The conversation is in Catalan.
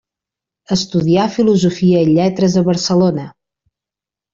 Estudià Filosofia i Lletres a Barcelona.